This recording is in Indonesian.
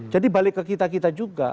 jadi balik ke kita kita juga